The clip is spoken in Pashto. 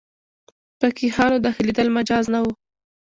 فقیهانو داخلېدل مجاز نه وو.